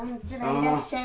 いらっしゃい。